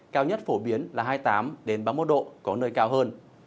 cao nhất phổ biến là hai mươi tám ba mươi một độ có nơi cao hơn